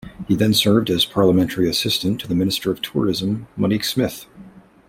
He then served as the parliamentary assistant to the Minister of Tourism, Monique Smith.